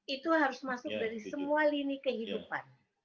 itu harus masuk dari semua lini kehidupan